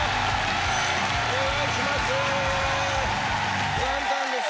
お願いします。